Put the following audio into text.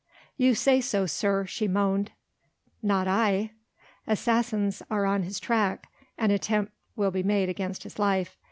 "You say so, sir," she moaned, "not I...." "Assassins are on his track ... an attempt will be made against his life